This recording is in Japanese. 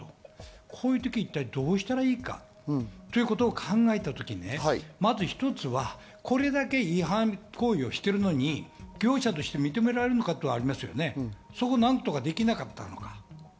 こういうとき一体どうしたらいいかということを考えたときにまず一つは、これだけ違反行為をしているのに業者として認められるのかそこをなんとかできなかったのか。